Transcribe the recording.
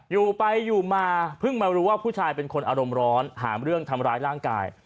อยู่ไปอยู่มาเพิ่งมารู้ว่าผู้ชายเป็นคนอารมณ์ร้อนหาเรื่องทำร้ายร่างกาย